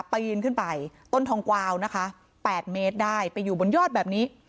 ปีนขึ้นไปต้นทองกวาวนะคะ๘เมตรได้ไปอยู่บนยอดแบบนี้